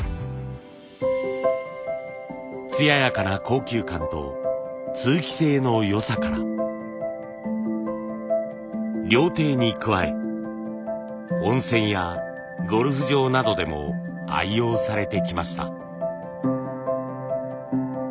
艶やかな高級感と通気性の良さから料亭に加え温泉やゴルフ場などでも愛用されてきました。